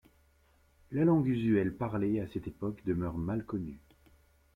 La langue usuelle parlée à cette époque demeure mal connue.